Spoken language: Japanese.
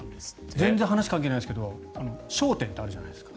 全然関係ないんですけど「笑点」ってあるじゃないですか。